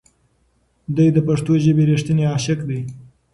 دی د پښتو ژبې رښتینی عاشق دی.